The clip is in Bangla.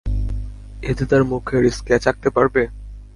এতে তার মুখের স্ক্যাচ আঁকতে পারবে?